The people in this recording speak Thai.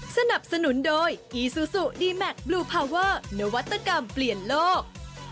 สนับสนุนโดยอีซูซูดีแมคบลูพาเวอร์นวัตกรรมเปลี่ยนโลก